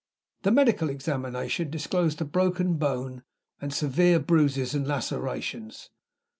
The medical examination disclosed a broken bone and severe bruises and lacerations.